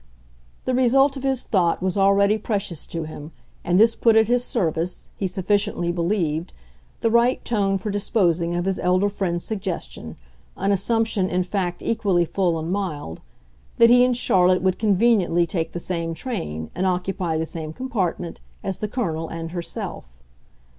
The result of his thought was already precious to him, and this put at his service, he sufficiently believed, the right tone for disposing of his elder friend's suggestion, an assumption in fact equally full and mild, that he and Charlotte would conveniently take the same train and occupy the same compartment as the Colonel and herself.